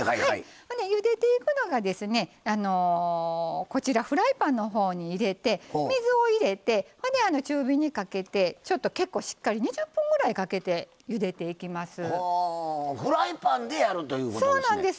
ゆでていくのがフライパンのほうに水を入れて中火にかけてちょっと結構しっかり２０分ぐらいかけてゆでていきます。